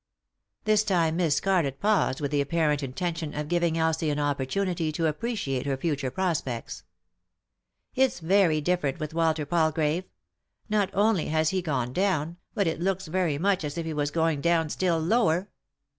This time Miss Scarlett paused with the apparent intention of giving Elsie an opportunity to appreciate her future prospects. " It's very different with Walter Palgrave. Not only has he gone down, but it looks very much as if he was going down still lower.